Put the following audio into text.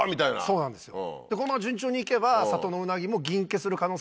そうなんですよ